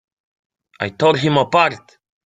I tore him apart!